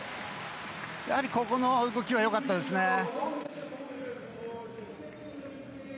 ここの動きはよかったですね。